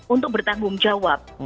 untuk bertanggung jawab